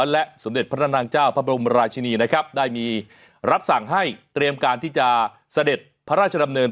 และสมเด็จพระนางเจ้าพระบรมราชินีนะครับได้มีรับสั่งให้เตรียมการที่จะเสด็จพระราชดำเนิน